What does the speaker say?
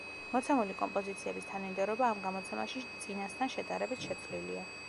მოცემული კომპოზიციების თანმიმდევრობა ამ გამოცემაში, წინასთან შედარებით, შეცვლილია.